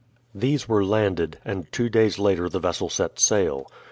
These were landed, and two days later the vessel set sail.